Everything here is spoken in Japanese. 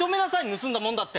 盗んだものだって。